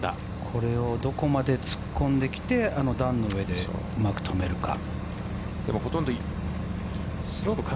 これをどこまで突っ込んできてあの段の上でうまく止めるか。